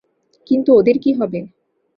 কিন্তু ওদের কী হবে?